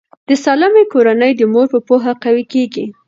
د سالمې کورنۍ د مور په پوهه قوي کیږي.